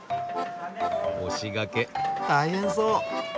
押しがけ大変そう。